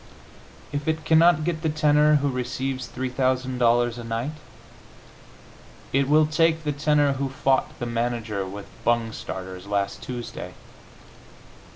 If it cannot get the tenor who receives $3,000 a night, it will take the tenor who fought the manager with bung starters last Tuesday.